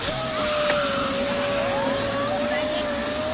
「こっち来ないで」